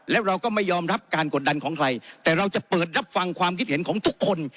แล้วเราก็ไม่ยอมรับการกดดันของใครแต่เราจะเปิดรับฟังความคิดเห็นของทุกคน